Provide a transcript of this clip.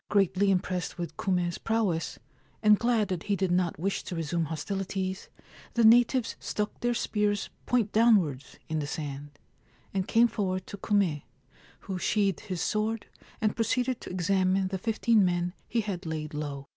Greatly impressed with Kume's prowess, and glad that he did not wish to resume hostilities, the natives stuck their spears point downwards in the sand, and came forward to Kume, who sheathed his sword and proceeded to examine the fifteen men he had laid low.